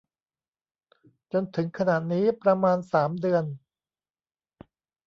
จนถึงขณะนี้ประมาณสามเดือน